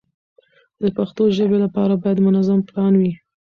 د پښتو ژبې لپاره باید منظم پلان وي.